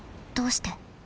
どうして？